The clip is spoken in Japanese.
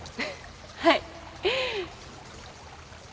はい。